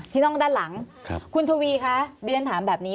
อ๋อที่นอกด้านหลังครับคุณทวีค่ะเรียนถามแบบนี้